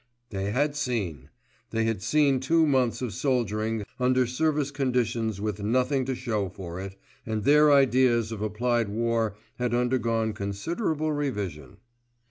They had seen! They had seen two months of soldiering under service conditions with nothing to show for it, and their ideas of applied war had undergone considerable revision.